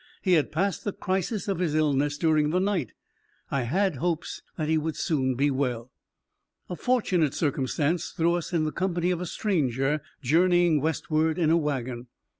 He had passed the crisis of his illness during the night; I had hopes that he would soon be well. A fortunate circumstance threw us in the company of a stranger journeying westward in a wagon.